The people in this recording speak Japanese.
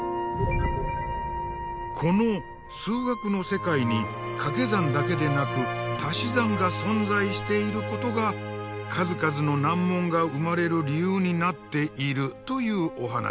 この数学の世界にかけ算だけでなくたし算が存在していることが数々の難問が生まれる理由になっているというお話。